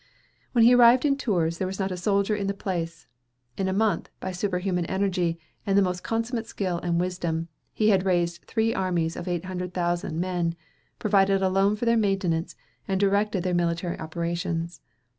When he arrived in Tours there was not a soldier in the place; in a month, by superhuman energy, and the most consummate skill and wisdom, he had raised three armies of eight hundred thousand men, provided by loan for their maintenance, and directed their military operations.